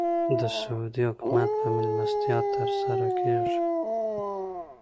د سعودي حکومت په مېلمستیا تر سره کېږي.